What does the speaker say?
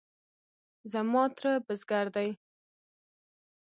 زما تره بزگر دی.